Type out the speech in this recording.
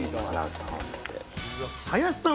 林さん